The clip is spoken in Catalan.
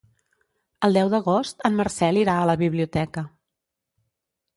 El deu d'agost en Marcel irà a la biblioteca.